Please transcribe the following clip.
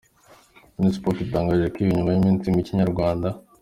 Minispoc itangaje ibi nyuma y'iminsi micye Inyarwanda.